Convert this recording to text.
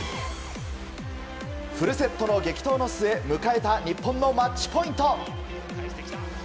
フルセットの激闘の末迎えた日本のマッチポイント。